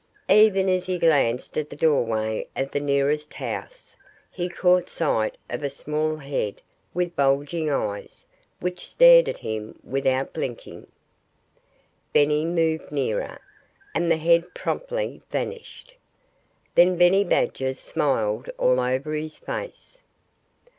Even as he glanced at the doorway of the nearest house he caught sight of a small head with bulging eyes, which stared at him without blinking. Benny moved nearer. And the head promptly vanished. Then Benny Badger smiled all over his face.